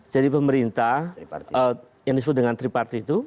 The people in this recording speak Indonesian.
jadi pemerintah yang disebut dengan triparty itu